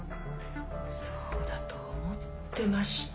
そうだと思ってました。